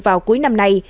vào cuối năm nay